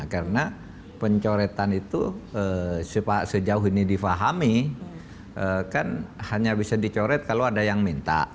karena pencoretan itu sejauh ini difahami kan hanya bisa dicoret kalau ada yang minta